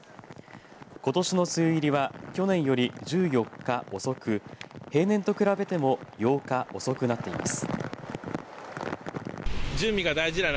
ことしの梅雨入りは去年より１４日遅く平年と比べても８日遅くなっています。